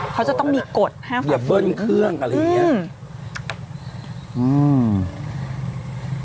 เขาจะต้องมีกฎห้ามอย่าเบิ้ลเครื่องอะไรอย่างเงี้ยอืม